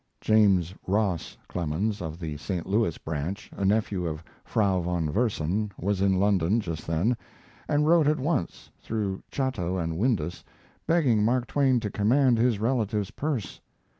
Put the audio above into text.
James Ross Clemens, of the St. Louis branch, a nephew of Frau von Versen, was in London just then, and wrote at once, through Chatto & Windus, begging Mark Twain to command his relative's purse.